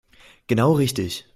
Genau richtig.